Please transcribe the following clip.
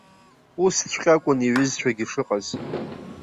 Усҵәҟьакәын иҩызцәагьы шыҟаз.